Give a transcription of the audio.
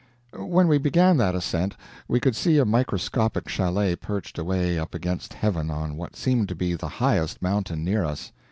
When we began that ascent, we could see a microscopic chalet perched away up against heaven on what seemed to be the highest mountain near us.